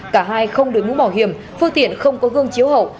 cả hai không đổi mũ bảo hiểm phương tiện không có gương chiếu hậu